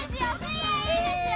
いいですよ。